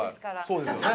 そうですよね